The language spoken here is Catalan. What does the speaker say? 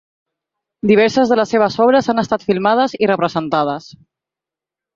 Diverses de les seves obres han estat filmades i representades.